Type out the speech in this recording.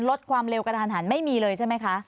ลดความเร็วกระทันหันไม่มีเลยใช่ไหมคะ